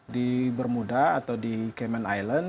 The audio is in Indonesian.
di bermuda atau di camen island